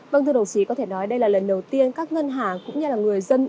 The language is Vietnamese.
vâng thưa đồng chí có thể nói đây là lần đầu tiên các ngân hàng cũng như là người dân